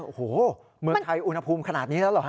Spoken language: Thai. โอ้โหเมืองไทยอุณหภูมิขนาดนี้แล้วเหรอฮ